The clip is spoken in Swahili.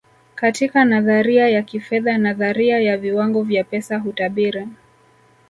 katika nadharia ya kifedha nadharia ya viwango vya pesa hutabiri